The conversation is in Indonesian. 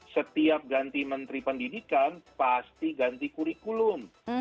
setiap ganti menteri pendidikan pasti ganti kurikulum